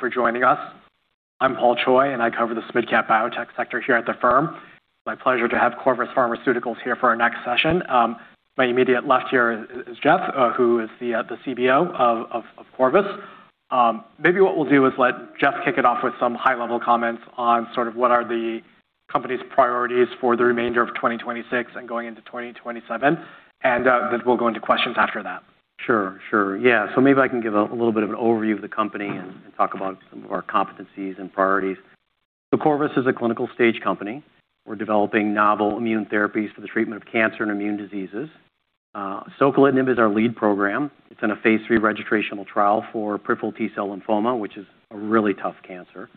Thank you for joining us. I'm Paul Choi. I cover this Mid-Cap Biotech sector here at the firm. It's my pleasure to have Corvus Pharmaceuticals here for our next session. My immediate left here is Jeff, who is the CBO of Corvus. Maybe what we'll do is let Jeff kick it off with some high-level comments on sort of what are the company's priorities for the remainder of 2026 and going into 2027. Then we'll go into questions after that. Sure. Yeah. Maybe I can give a little bit of an overview of the company and talk about some of our competencies and priorities. Corvus is a clinical-stage company. We're developing novel immune therapies for the treatment of cancer and immune diseases. Soquelitinib is our lead program. It's in a phase III registrational trial for peripheral T-cell lymphoma, which is a really tough cancer,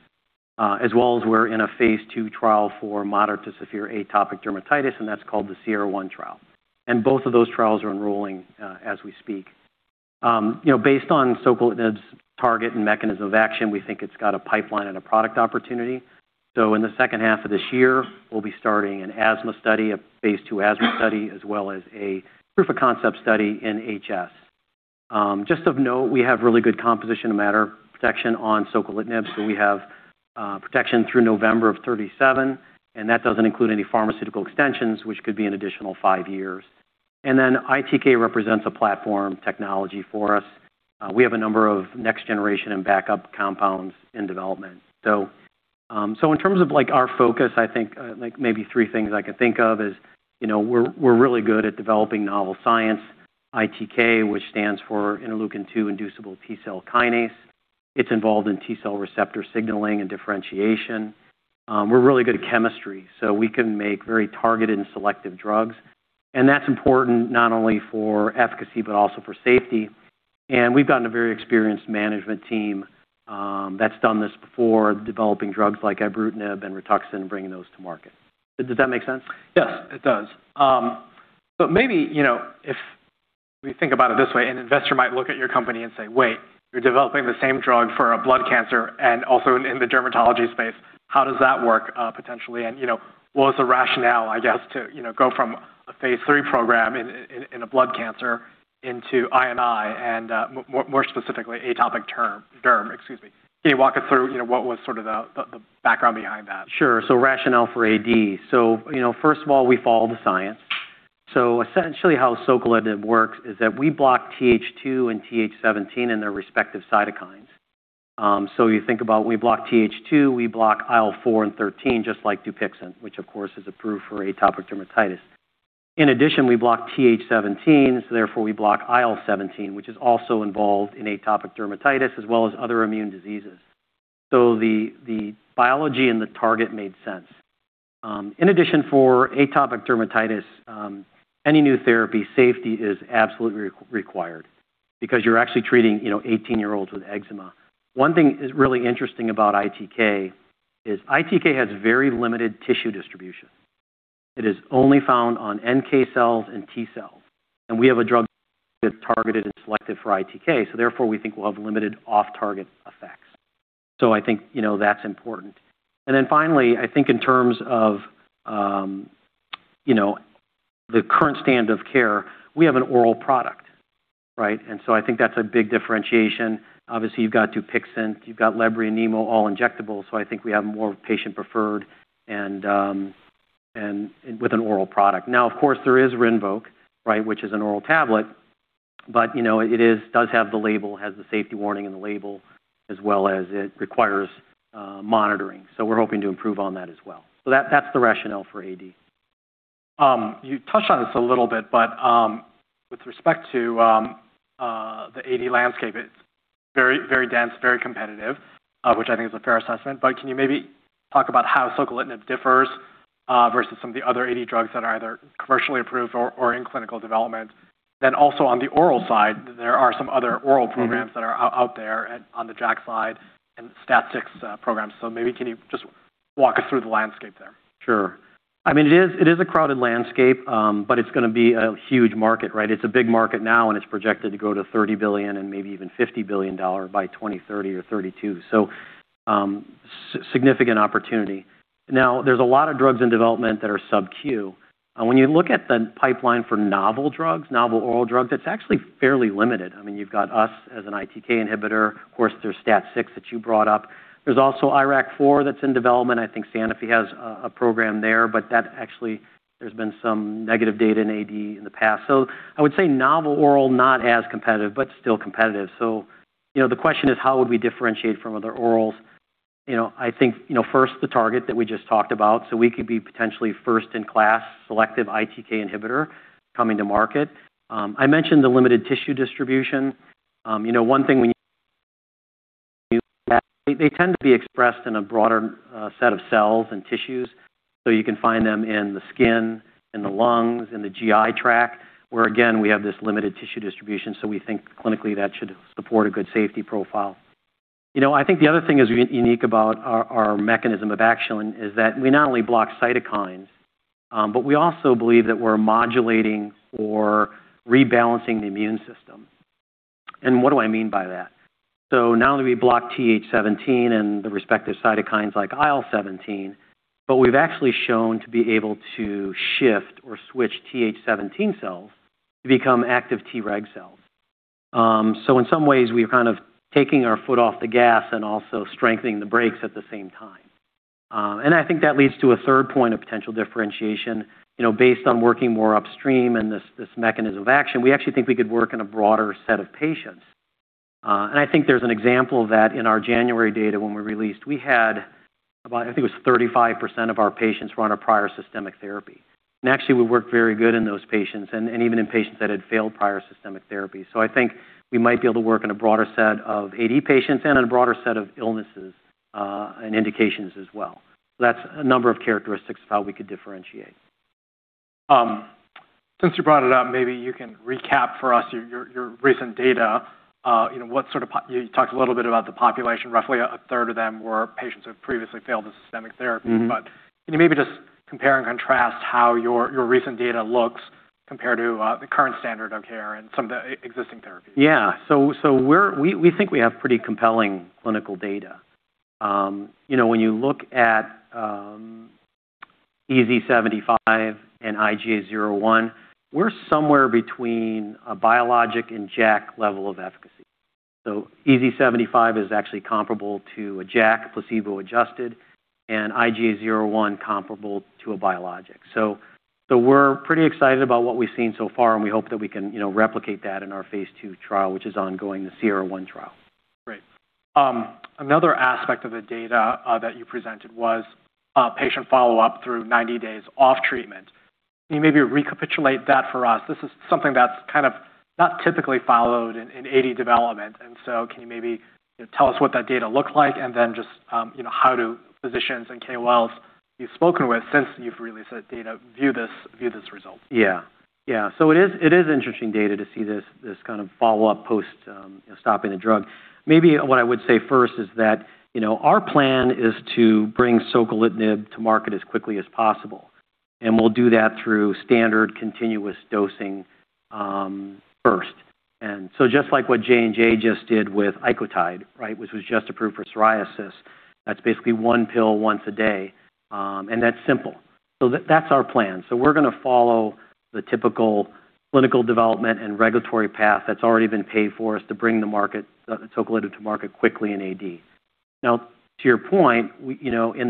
as well as we're in a phase II trial for moderate to severe atopic dermatitis, and that's called the SIERRA-1 Trial. Both of those trials are enrolling as we speak. Based on soquelitinib's target and mechanism of action, we think it's got a pipeline and a product opportunity. In the second half of this year, we'll be starting an asthma study, a phase II asthma study, as well as a proof of concept study in HS. Just of note, we have really good composition of matter protection on soquelitinib. We have protection through November of 2037, and that doesn't include any pharmaceutical extensions, which could be an additional five years. ITK represents a platform technology for us. We have a number of next generation and backup compounds in development. In terms of our focus, I think maybe three things I can think of is, we're really good at developing novel science, ITK, which stands for interleukin-2-inducible T-cell kinase. It's involved in T-cell receptor signaling and differentiation. We're really good at chemistry, so we can make very targeted and selective drugs. That's important not only for efficacy but also for safety. We've gotten a very experienced management team that's done this before, developing drugs like ibrutinib and Rituxan, bringing those to market. Does that make sense? Yes, it does. Maybe if we think about it this way, an investor might look at your company and say, wait, you're developing the same drug for a blood cancer and also in the dermatology space. How does that work potentially? What was the rationale, I guess, to go from a phase III program in a blood cancer into I&I and, more specifically, atopic derm. Can you walk us through what was sort of the background behind that? Rationale for AD. First of all, we follow the science. Essentially how soquelitinib works is that we block TH2 and TH17 and their respective cytokines. You think about when we block TH2, we block IL-4 and 13, just like DUPIXENT, which, of course, is approved for atopic dermatitis. In addition, we block TH17, so therefore we block IL-17, which is also involved in atopic dermatitis as well as other immune diseases. The biology and the target made sense. In addition, for atopic dermatitis, any new therapy, safety is absolutely required because you're actually treating 18-year-olds with eczema. One thing is really interesting about ITK is ITK has very limited tissue distribution. It is only found on NK cells and T cells, and we have a drug that's targeted and selective for ITK, so therefore, we think we'll have limited off-target effects. I think that's important. Finally, I think in terms of the current standard of care, we have an oral product, right? I think that's a big differentiation. Obviously, you've got DUPIXENT, you've got Lebrikizumab and Nemolizumab, all injectable, so I think we have more patient preferred and with an oral product. Now, of course, there is RINVOQ, which is an oral tablet, but it does have the label, has the safety warning in the label, as well as it requires monitoring. We're hoping to improve on that as well. That's the rationale for AD. You touched on this a little bit. With respect to the AD landscape, it's very dense, very competitive, which I think is a fair assessment. Can you maybe talk about how soquelitinib differs versus some of the other AD drugs that are either commercially approved or in clinical development? Also on the oral side, there are some other oral programs that are out there on the JAK side and STAT-6 programs. Maybe can you just walk us through the landscape there? Sure. It is a crowded landscape. It's going to be a huge market, right? It's a big market now. It's projected to go to $30 billion and maybe even $50 billion by 2030 or 2032. Significant opportunity. There's a lot of drugs in development that are sub-Q. When you look at the pipeline for novel drugs, novel oral drugs, it's actually fairly limited. You've got us as an ITK inhibitor. Of course, there's STAT-6 that you brought up. There's also IRAK4 that's in development. I think Sanofi has a program there. That actually there's been some negative data in AD in the past. I would say novel oral, not as competitive, but still competitive. The question is, how would we differentiate from other orals? I think first the target that we just talked about, we could be potentially first in class selective ITK inhibitor coming to market. I mentioned the limited tissue distribution. One thing, they tend to be expressed in a broader set of cells and tissues. You can find them in the skin, in the lungs, in the GI tract, where again, we have this limited tissue distribution, we think clinically that should support a good safety profile. I think the other thing is unique about our mechanism of action is that we not only block cytokines, but we also believe that we're modulating or rebalancing the immune system. What do I mean by that? Not only do we block TH17 and the respective cytokines like IL-17, but we've actually shown to be able to shift or switch TH17 cells to become active Treg cells. In some ways, we're kind of taking our foot off the gas and also strengthening the brakes at the same time. I think that leads to a third point of potential differentiation. Based on working more upstream and this mechanism of action, we actually think we could work in a broader set of patients. I think there's an example of that in our January data when we released. We had about, I think it was 35% of our patients were on a prior systemic therapy. Actually, we worked very good in those patients and even in patients that had failed prior systemic therapy. I think we might be able to work in a broader set of AD patients and in a broader set of illnesses, and indications as well. That's a number of characteristics of how we could differentiate. Since you brought it up, maybe you can recap for us your recent data. You talked a little bit about the population. Roughly a third of them were patients who have previously failed the systemic therapy. Can you maybe just compare and contrast how your recent data looks compared to the current standard of care and some of the existing therapies? We think we have pretty compelling clinical data. When you look at EASI-75 and IGA 0/1, we're somewhere between a biologic and JAK level of efficacy. EASI-75 is actually comparable to a JAK placebo-adjusted, and IGA 0/1 comparable to a biologic. We're pretty excited about what we've seen so far, and we hope that we can replicate that in our phase II trial, which is ongoing, the SIERRA-1 trial. Great. Another aspect of the data that you presented was patient follow-up through 90 days off treatment. Can you maybe recapitulate that for us? This is something that's not typically followed in AD development. Can you maybe tell us what that data looked like and then just how do physicians and KOLs you've spoken with since you've released that data view these results? It is interesting data to see this kind of follow-up post stopping the drug. Maybe what I would say first is that our plan is to bring soquelitinib to market as quickly as possible, and we'll do that through standard continuous dosing first. Just like what J&J just did with ICOTYDE, which was just approved for psoriasis, that's basically one pill once a day. That's simple. That's our plan. We're going to follow the typical clinical development and regulatory path that's already been paid for us to bring soquelitinib to market quickly in AD. Now, to your point, in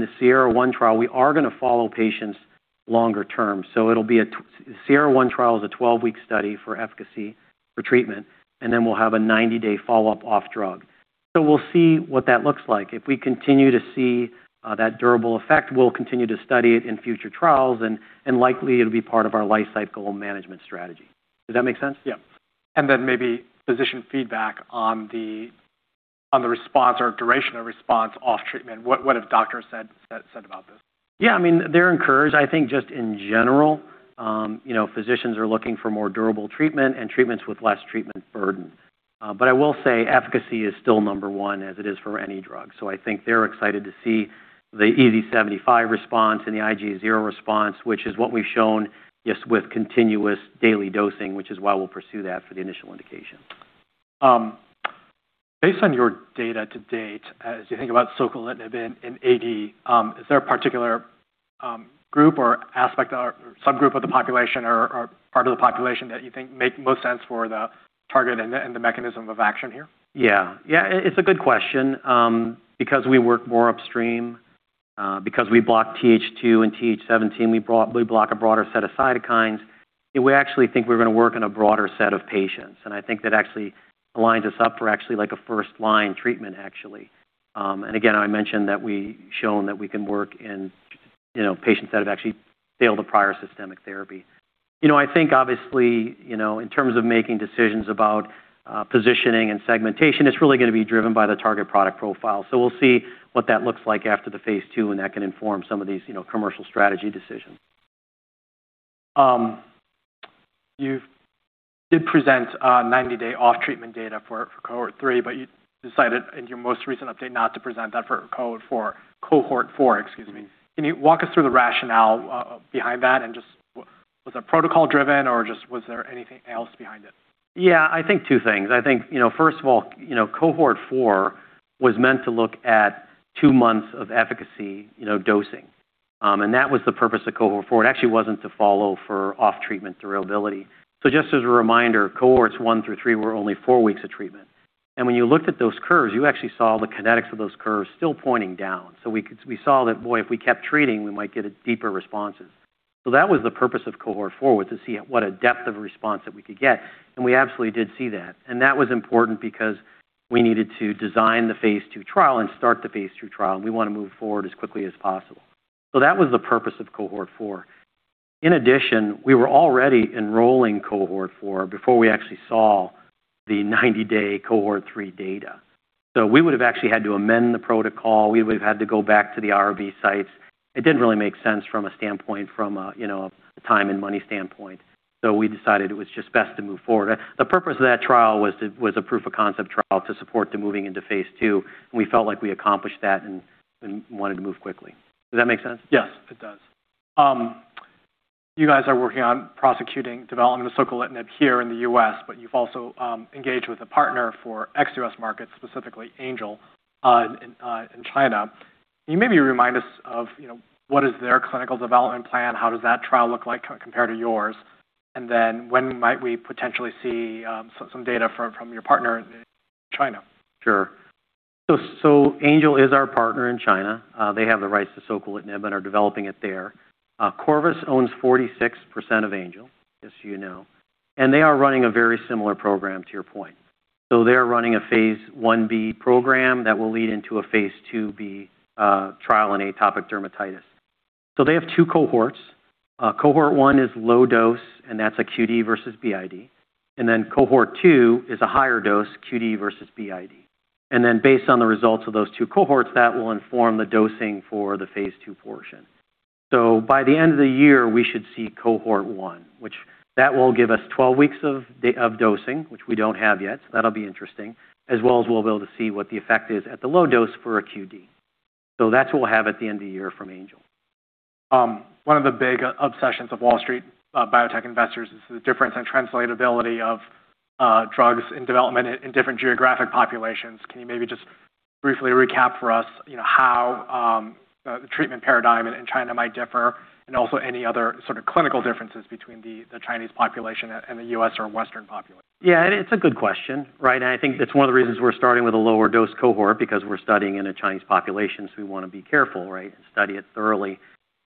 the SIERRA-1 trial, we are going to follow patients longer term. SIERRA-1 trial is a 12-week study for efficacy for treatment, and then we'll have a 90-day follow-up off drug. We'll see what that looks like. If we continue to see that durable effect, we'll continue to study it in future trials and likely it'll be part of our life cycle management strategy. Does that make sense? Yeah. Then maybe physician feedback on the response or duration of response off treatment. What have doctors said about this? Yeah, they're encouraged. I think just in general, physicians are looking for more durable treatment and treatments with less treatment burden. I will say efficacy is still number one as it is for any drug. I think they're excited to see the EASI-75 response and the IGA 0 response, which is what we've shown, just with continuous daily dosing, which is why we'll pursue that for the initial indication. Based on your data-to-date, as you think about soquelitinib in AD, is there a particular group or aspect or subgroup of the population or part of the population that you think make most sense for the target and the mechanism of action here? Yeah. It's a good question. Because we work more upstream, because we block TH2 and TH17, we block a broader set of cytokines, we actually think we're going to work in a broader set of patients. I think that actually aligns us up for actually a first-line treatment. Again, I mentioned that we've shown that we can work in patients that have actually failed a prior systemic therapy. I think obviously, in terms of making decisions about positioning and segmentation, it's really going to be driven by the target product profile. We'll see what that looks like after the phase II, and that can inform some of these commercial strategy decisions. You did present 90-day off treatment data for Cohort 3, but you decided in your most recent update not to present that for Cohort 4. Can you walk us through the rationale behind that? Was that protocol driven or was there anything else behind it? Yeah, I think two things. I think first of all, Cohort 4 was meant to look at two months of efficacy dosing. That was the purpose of Cohort 4. It actually wasn't to follow for off-treatment durability. Just as a reminder, Cohorts 1 through 3 were only four weeks of treatment. When you looked at those curves, you actually saw the kinetics of those curves still pointing down. We saw that, boy, if we kept treating, we might get deeper responses. That was the purpose of Cohort 4, was to see what a depth of response that we could get. We absolutely did see that. That was important because we needed to design the phase II trial and start the phase II trial, and we want to move forward as quickly as possible. That was the purpose of Cohort 4. In addition, we were already enrolling Cohort 4 before we actually saw the 90-day Cohort 3 data. We would've actually had to amend the protocol. We would've had to go back to the IRB sites. It didn't really make sense from a standpoint from a time and money standpoint. We decided it was just best to move forward. The purpose of that trial was a proof of concept trial to support the moving into phase II, and we felt like we accomplished that and wanted to move quickly. Does that make sense? Yes, it does. You guys are working on prosecuting development of soquelitinib here in the U.S., but you've also engaged with a partner for ex-U.S. markets, specifically Angel in China. Can you maybe remind us of what is their clinical development plan? How does that trial look like compared to yours? Then when might we potentially see some data from your partner in China? Sure. Angel is our partner in China. They have the rights to soquelitinib and are developing it there. Corvus owns 46% of Angel, as you know, and they are running a very similar program to your point. They're running a phase I-B program that will lead into a phase II-B trial in atopic dermatitis. They have two Cohorts. Cohort 1 is low dose, and that's a QD versus BID. Cohort 2 is a higher dose QD versus BID. Based on the results of those two Cohorts, that will inform the dosing for the phase II portion. By the end of the year, we should see Cohort 1. That will give us 12 weeks of dosing, which we don't have yet, so that'll be interesting, as well as we'll be able to see what the effect is at the low dose for a QD. That's what we'll have at the end of the year from Angel. One of the big obsessions of Wall Street biotech investors is the difference in translatability of drugs in development in different geographic populations. Can you maybe just briefly recap for us how the treatment paradigm in China might differ and also any other sort of clinical differences between the Chinese population and the U.S. or Western population? Yeah, it's a good question, right? I think it's one of the reasons we're starting with a lower dose cohort because we're studying in a Chinese population, so we want to be careful, right? Study it thoroughly.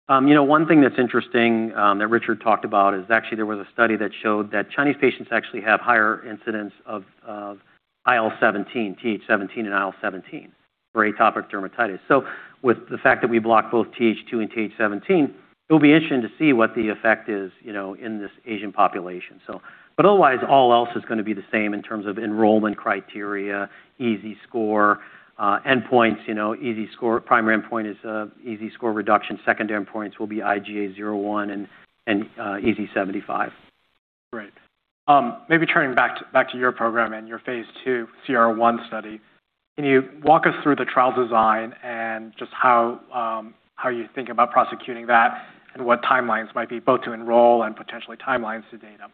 One thing that's interesting that Richard talked about is actually there was a study that showed that Chinese patients actually have higher incidents of TH17 and IL-17 for atopic dermatitis. With the fact that we block both TH2 and TH17, it'll be interesting to see what the effect is in this Asian population. Otherwise, all else is going to be the same in terms of enrollment criteria, EASI score, endpoints. Primary endpoint is EASI score reduction. Secondary endpoints will be IGA 0/1 and EASI-75. Great. Maybe turning back to your program and your phase II SIERRA-1 study, can you walk us through the trial design and just how you think about prosecuting that and what timelines might be both to enroll and potentially timelines to data?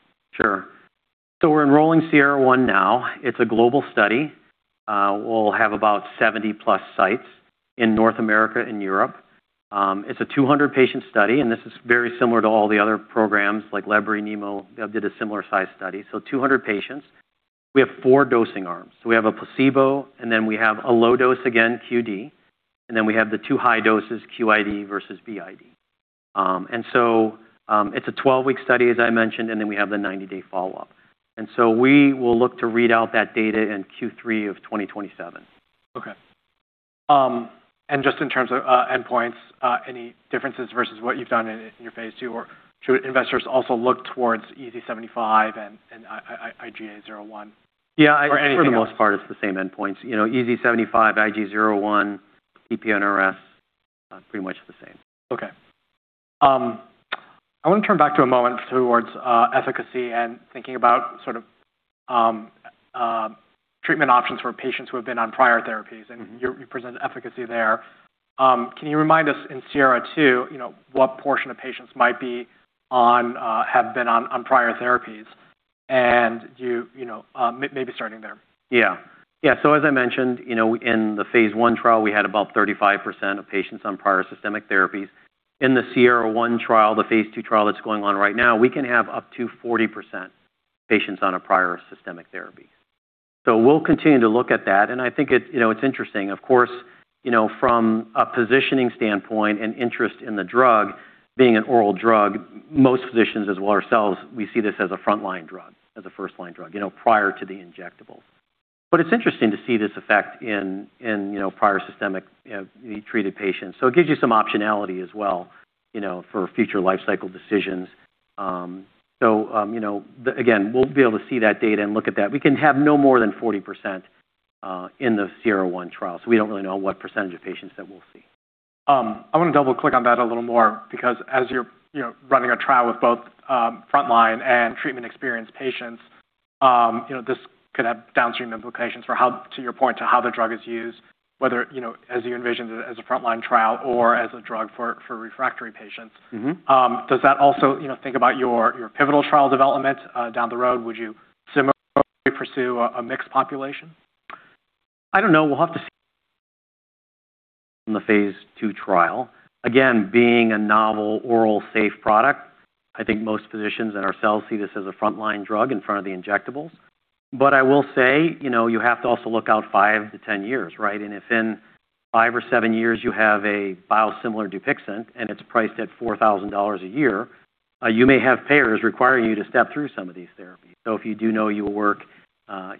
We're enrolling SIERRA-1 now. It's a global study. We'll have about 70+ sites in North America and Europe. It's a 200-patient study. This is very similar to all the other programs, like Lebrikizumab and Nemolizumab did a similar size study, 200 patients. We have four dosing arms. We have a placebo. We have a low dose, again, QD. We have the two high doses, QID versus BID. It's a 12-week study, as I mentioned. We have the 90-day follow-up. We will look to read out that data in Q3 of 2027. Okay. Just in terms of endpoints, any differences versus what you've done in your phase II, or should investors also look towards EASI-75 and IGA 0/1? Yeah. Anything else. For the most part, it's the same endpoints. EASI-75, IGA 0/1, PP-NRS, pretty much the same. Okay. I want to turn back to a moment towards efficacy and thinking about treatment options for patients who have been on prior therapies. You presented efficacy there. Can you remind us in SIERRA-2, what portion of patients have been on prior therapies? Maybe starting there. Yeah. As I mentioned, in the phase I trial, we had about 35% of patients on prior systemic therapies. In the SIERRA-1 trial, the phase II trial that's going on right now, we can have up to 40% patients on a prior systemic therapy. We'll continue to look at that, I think it's interesting. Of course, from a positioning standpoint and interest in the drug being an oral drug, most physicians as well ourselves, we see this as a frontline drug, as a first-line drug, prior to the injectables. It's interesting to see this effect in prior systemic treated patients. It gives you some optionality as well for future life cycle decisions. Again, we'll be able to see that data and look at that. We can have no more than 40% in the SIERRA-1 trial. We don't really know what percentage of patients that we'll see. I want to double-click on that a little more because as you're running a trial with both frontline and treatment experienced patients, this could have downstream implications to your point to how the drug is used, whether as you envisioned it as a frontline trial or as a drug for refractory patients. Does that also think about your pivotal trial development down the road? Would you similarly pursue a mixed population? I don't know. We'll have to see in the phase II trial. Again, being a novel oral safe product, I think most physicians and ourselves see this as a frontline drug in front of the injectables. I will say, you have to also look out 5 to 10 years, right? If in five or seven years you have a biosimilar DUPIXENT and it's priced at $4,000 a year, you may have payers requiring you to step through some of these therapies. If you do know you will work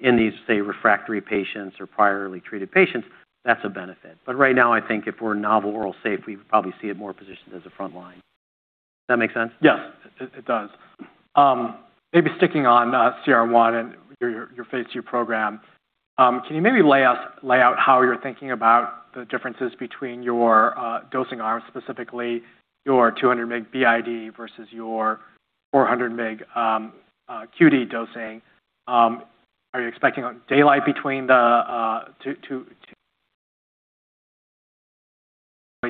in these, say, refractory patients or priorly treated patients, that's a benefit. Right now, I think if we're novel oral safe, we probably see it more positioned as a frontline. Does that make sense? Yes. It does. Sticking on SIERRA-1 and your phase II program, can you lay out how you're thinking about the differences between your dosing arms, specifically your 200 mg BID versus your 400 mg QD dosing? Are you expecting daylight between the two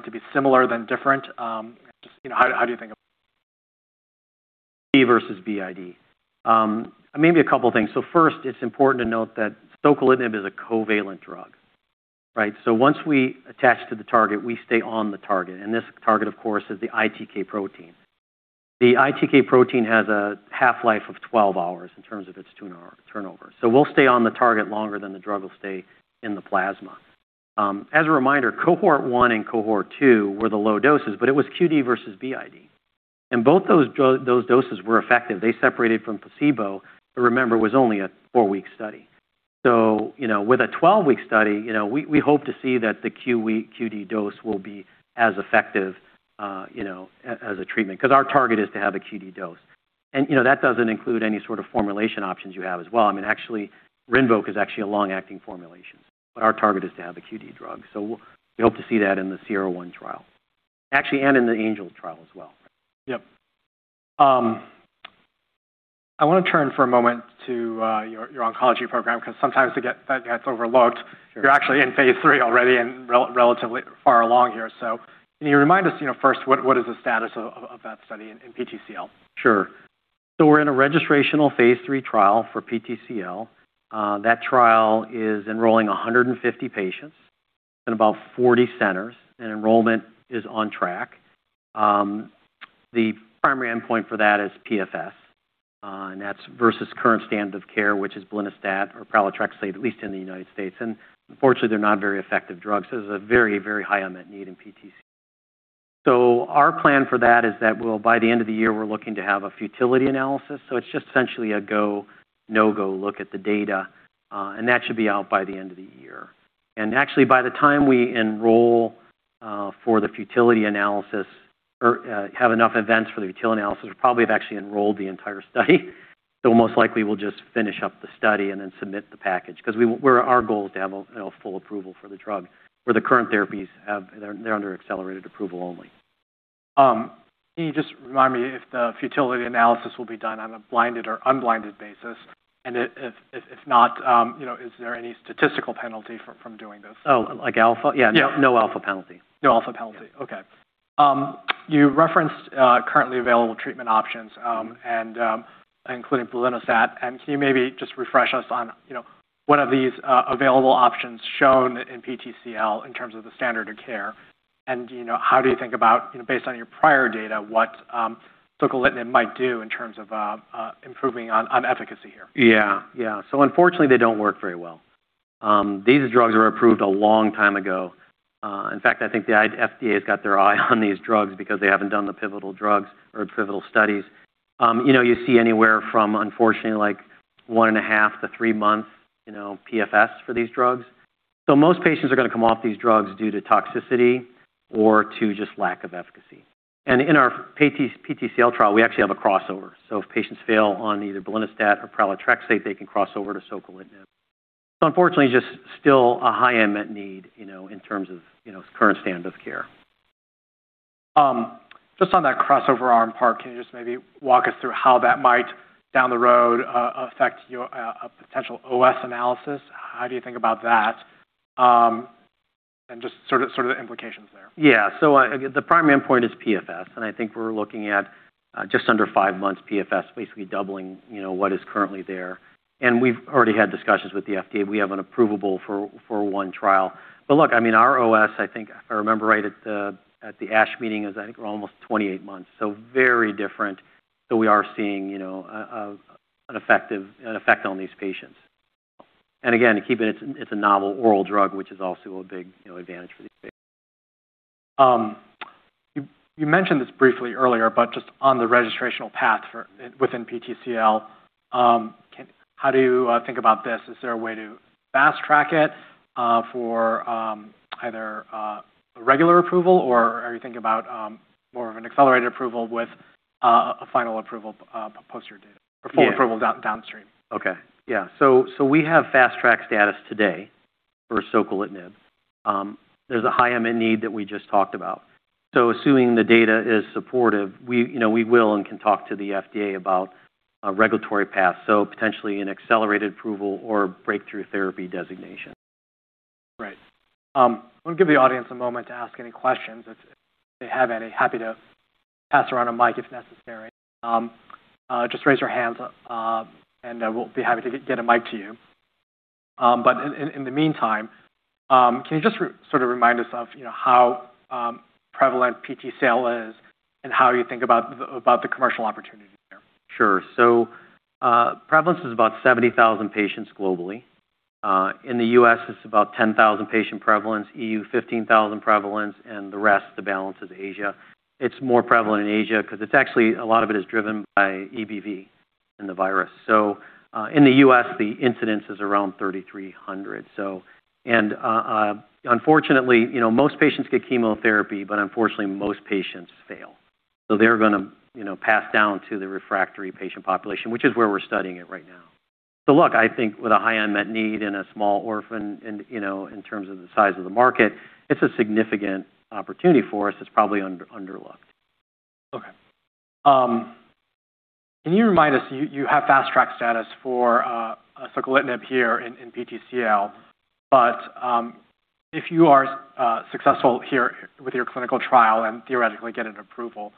going to be similar than different? Just how do you think of that? QD versus BID. A couple of things. First, it's important to note that soquelitinib is a covalent drug. Once we attach to the target, we stay on the target, and this target, of course, is the ITK protein. The ITK protein has a half-life of 12 hours in terms of its turnover. We'll stay on the target longer than the drug will stay in the plasma. As a reminder, Cohort 1 and Cohort 2 were the low doses, but it was QD versus BID, and both those doses were effective. They separated from placebo. Remember, it was only a four-week study. With a 12-week study, we hope to see that the QD dose will be as effective as a treatment because our target is to have a QD dose. That doesn't include any sort of formulation options you have as well. Actually, RINVOQ is actually a long-acting formulation. Our target is to have the QD drug, we hope to see that in the SIERRA-1 trial. Actually, and in the Angel trial as well. Yep. I want to turn for a moment to your oncology program because sometimes that gets overlooked. Sure. You're actually in phase III already and relatively far along here. Can you remind us, first, what is the status of that study in PTCL? Sure. We're in a registrational phase III trial for PTCL. That trial is enrolling 150 patients in about 40 centers, and enrollment is on track. The primary endpoint for that is PFS, and that's versus current standard of care, which is lenalidomide or pomalidomide, at least in the United States. Unfortunately, they're not very effective drugs. There's a very, very high unmet need in PTCL. Our plan for that is that by the end of the year, we're looking to have a futility analysis. It's just essentially a go, no-go look at the data, and that should be out by the end of the year. Actually, by the time we enroll for the futility analysis or have enough events for the futility analysis, we probably have actually enrolled the entire study. Most likely, we'll just finish up the study and then submit the package because our goal is to have a full approval for the drug. Where the current therapies, they're under accelerated approval only. Can you just remind me if the futility analysis will be done on a blinded or unblinded basis? If not, is there any statistical penalty from doing this? Oh, like alpha? Yeah. No alpha penalty. No alpha penalty. Yeah. Okay. You referenced currently available treatment options, including lenalidomide. Can you maybe just refresh us on what are these available options shown in PTCL in terms of the standard of care? How do you think about, based on your prior data, what soquelitinib might do in terms of improving on efficacy here? Yeah. Unfortunately, they don't work very well. These drugs were approved a long time ago. In fact, I think the FDA's got their eye on these drugs because they haven't done the pivotal studies. You see anywhere from, unfortunately, one and a half to three months PFS for these drugs. Most patients are going to come off these drugs due to toxicity or to just lack of efficacy. In our PTCL trial, we actually have a crossover. If patients fail on either lenalidomide or pomalidomide, they can cross over to soquelitinib. Unfortunately, just still a high unmet need in terms of current standard of care. Just on that crossover arm part, can you just maybe walk us through how that might, down the road, affect a potential OS analysis? How do you think about that, and just sort of the implications there. Yeah. The primary endpoint is PFS, and I think we're looking at just under five months PFS, basically doubling what is currently there. We've already had discussions with the FDA. We have an approvable for one trial. Look, our OS, I think, if I remember right, at the ASH meeting is, I think we're almost 28 months. Very different. We are seeing an effect on these patients. Again, keeping it's a novel oral drug, which is also a big advantage for these patients. You mentioned this briefly earlier, just on the registrational path within PTCL, how do you think about this? Is there a way to Fast Track it for either a regular approval, or are you thinking about more of an accelerated approval with a final approval downstream? Okay. Yeah. We have Fast Track status today for soquelitinib. There's a high unmet need that we just talked about. Assuming the data is supportive, we will and can talk to the FDA about a regulatory path, potentially an accelerated approval or Breakthrough Therapy designation. Right. I want to give the audience a moment to ask any questions if they have any. Happy to pass around a mic if necessary. Just raise your hands, and we'll be happy to get a mic to you. In the meantime, can you just sort of remind us of how prevalent PTCL is and how you think about the commercial opportunity there? Sure. Prevalence is about 70,000 patients globally. In the U.S., it's about 10,000 patient prevalence, EU 15,000 prevalence, and the rest, the balance is Asia. It's more prevalent in Asia because a lot of it is driven by EBV and the virus. In the U.S., the incidence is around 3,300. Unfortunately, most patients get chemotherapy, unfortunately, most patients fail. They're going to pass down to the refractory patient population, which is where we're studying it right now. Look, I think with a high unmet need and a small orphan in terms of the size of the market, it's a significant opportunity for us that's probably underlooked. Okay. Can you remind us, you have Fast Track status for soquelitinib here in PTCL. If you are successful here with your clinical trial and theoretically get an approval,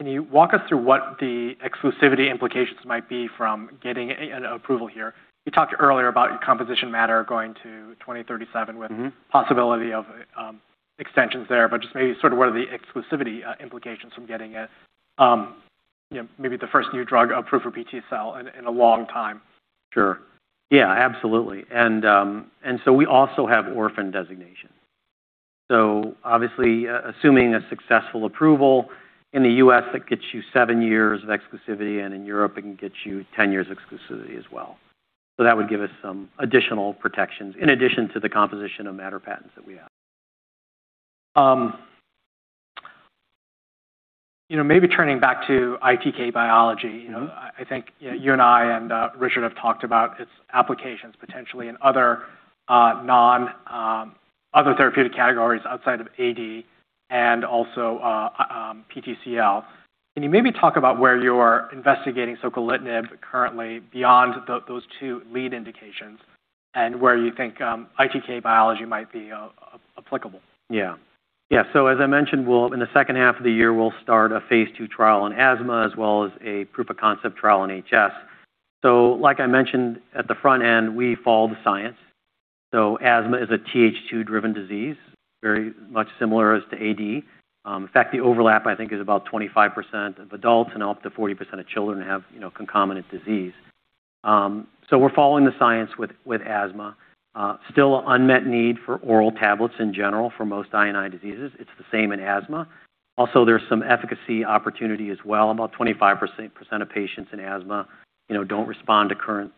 can you walk us through what the exclusivity implications might be from getting an approval here? You talked earlier about your composition of matter going to 2037 with possibility of extensions there, just maybe sort of what are the exclusivity implications from getting it, maybe the first new drug approved for PTCL in a long time. Sure. Yeah, absolutely. We also have orphan designation. Obviously, assuming a successful approval in the U.S., that gets you seven years of exclusivity, and in Europe, it can get you 10 years exclusivity as well. That would give us some additional protections in addition to the composition of matter patents that we have. Maybe turning back to ITK Biology. I think you and I and Richard have talked about its applications potentially in other therapeutic categories outside of AD and also PTCL. Can you maybe talk about where you're investigating soquelitinib currently beyond those two lead indications and where you think ITK Biology might be applicable? As I mentioned, in the second half of the year, we'll start a phase II trial on asthma as well as a proof of concept trial on HS. Like I mentioned at the front end, we follow the science. Asthma is a TH2-driven disease, very much similar as to AD. In fact, the overlap, I think, is about 25% of adults and up to 40% of children have concomitant disease. We're following the science with asthma. Still unmet need for oral tablets in general for most I&I diseases. It's the same in asthma. Also, there's some efficacy opportunity as well. About 25% of patients in asthma don't respond to current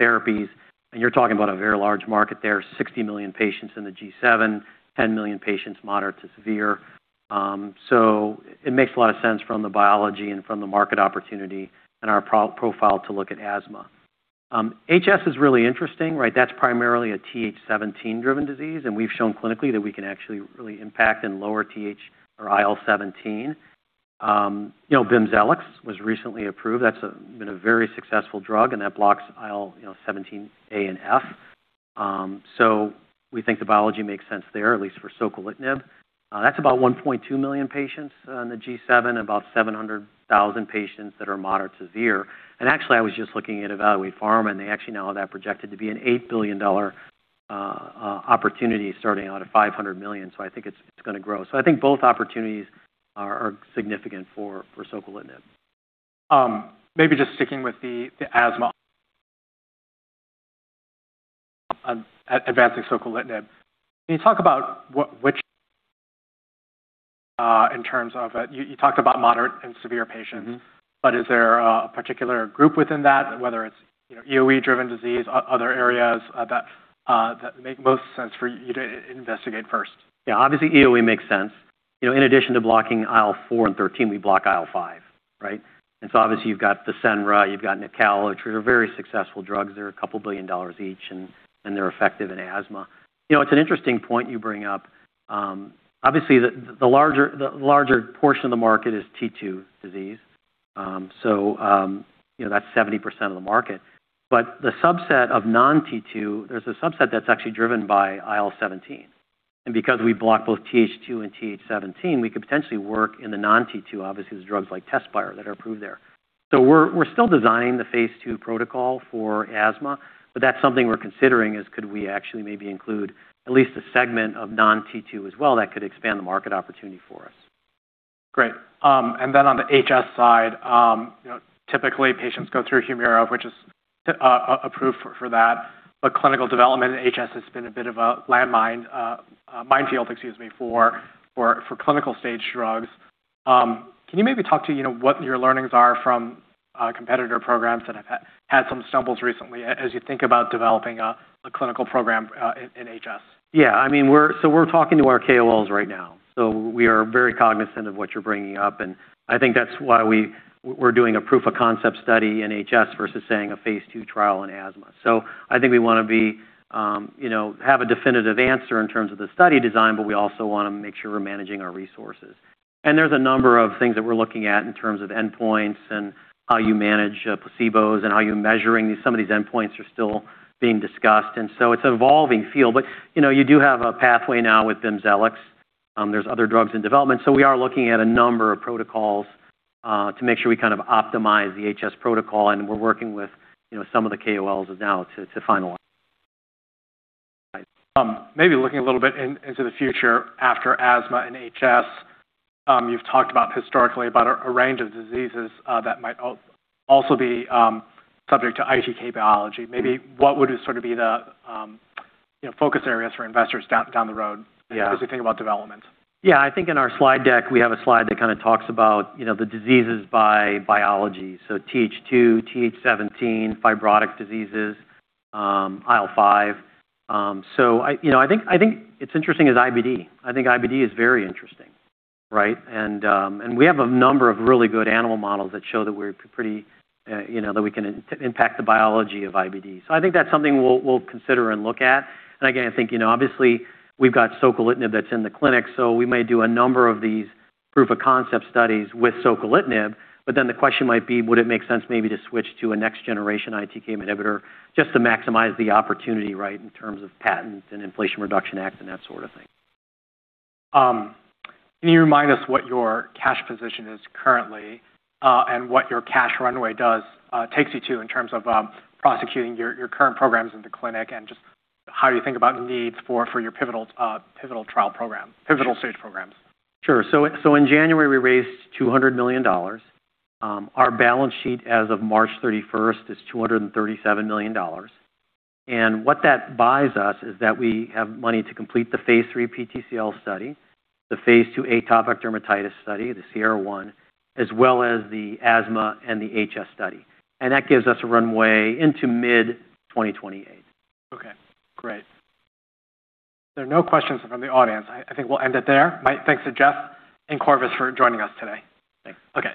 therapies. You're talking about a very large market there, 60 million patients in the G7, 10 million patients, moderate to severe. It makes a lot of sense from the biology and from the market opportunity and our profile to look at asthma. HS is really interesting, right? That's primarily a TH17-driven disease, and we've shown clinically that we can actually really impact and lower IL-17. You know, BIMZELX was recently approved. That's been a very successful drug, and that blocks IL-17A and F. We think the biology makes sense there, at least for soquelitinib. That's about 1.2 million patients in the G7, about 700,000 patients that are moderate, severe. Actually, I was just looking at Evaluate Pharma, and they actually now have that projected to be an $8 billion opportunity starting out at $500 million. I think it's going to grow. I think both opportunities are significant for soquelitinib. Maybe just sticking with the asthma advancing soquelitinib. Can you talk about which in terms of You talked about moderate and severe patients. Is there a particular group within that, whether it's EoE-driven disease, other areas that make most sense for you to investigate first? EoE makes sense. In addition to blocking IL-4 and 13, we block IL-5, right? Obviously you've got FASENRA, you've got NUCALA, which are very successful drugs. They're a couple billion dollars each, and they're effective in asthma. It's an interesting point you bring up. Obviously, the larger portion of the market is T2 disease, so that's 70% of the market. The subset of non-T2, there's a subset that's actually driven by IL-17. Because we block both TH2 and TH17, we could potentially work in the non-T2, obviously, with drugs like TEZSPIRE that are approved there. We're still designing the phase II protocol for asthma, but that's something we're considering is could we actually maybe include at least a segment of non-T2 as well that could expand the market opportunity for us. Great. On the HS side, typically patients go through HUMIRA, which is approved for that. Clinical development in HS has been a bit of a minefield for clinical stage drugs. Can you maybe talk to what your learnings are from competitor programs that have had some stumbles recently as you think about developing a clinical program in HS? We're talking to our KOLs right now, we are very cognizant of what you're bringing up, and I think that's why we're doing a proof of concept study in HS versus, saying, a phase II trial in asthma. I think we want to have a definitive answer in terms of the study design, but we also want to make sure we're managing our resources. There's a number of things that we're looking at in terms of endpoints and how you manage placebos and how you're measuring these. Some of these endpoints are still being discussed, it's an evolving field. You do have a pathway now with BIMZELX. There's other drugs in development. We are looking at a number of protocols to make sure we kind of optimize the HS protocol, and we're working with some of the KOLs now to finalize. Maybe looking a little bit into the future after asthma and HS, you've talked about historically about a range of diseases that might also be subject to ITK biology. Maybe what would sort of be the focus areas for investors down the road? Yeah as we think about development? Yeah, I think in our slide deck, we have a slide that kind of talks about the diseases by biology. TH2, TH17, fibrotic diseases, IL-5. I think it's interesting is IBD. I think IBD is very interesting, right? We have a number of really good animal models that show that we can impact the biology of IBD. I think that's something we'll consider and look at. Again, I think obviously we've got soquelitinib that's in the clinic, so we may do a number of these proof of concept studies with soquelitinib. The question might be, would it make sense maybe to switch to a next generation ITK inhibitor just to maximize the opportunity, right, in terms of patents and Inflation Reduction Act and that sort of thing. Can you remind us what your cash position is currently and what your cash runway takes you to in terms of prosecuting your current programs in the clinic and just how you think about needs for your pivotal stage programs? Sure. In January, we raised $200 million. Our balance sheet as of March 31st is $237 million. What that buys us is that we have money to complete the phase III PTCL study, the phase II atopic dermatitis study, the SIERRA-1, as well as the asthma and the HS study. That gives us a runway into mid-2028. Okay, great. There are no questions from the audience. I think we'll end it there. My thanks to Jeff and Corvus for joining us today. Thanks. Okay.